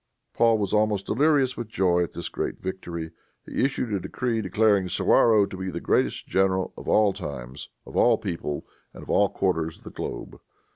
Paul was almost delirious with joy at this great victory. He issued a decree declaring Suwarrow to be the greatest general "of all times, of all peoples and of all quarters of the globe."